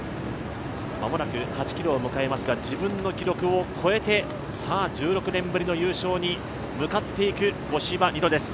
間もなく８ｋｍを迎えますが、自分の記録を超えてさあ１６年ぶりの優勝に向かっていく五島莉乃です。